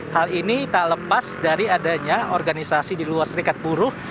hal ini tak lepas dari adanya organisasi di luar serikat buruh